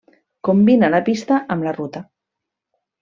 Combina la pista amb la ruta.